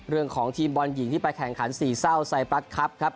เรื่องของทีมบอลหญิงที่ไปแข่งขันสี่เศร้าไซปรัสครับครับ